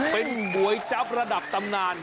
เป็นก๋วยจั๊บระดับตำนาน